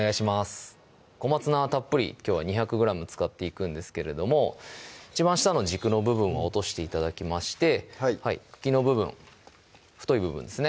小松菜はたっぷりきょうは２００ｇ使っていくんですけれども一番下の軸の部分を落として頂きましてはい茎の部分太い部分ですね